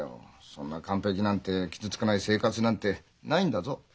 そんな完璧なんて傷つかない生活なんてないんだぞ。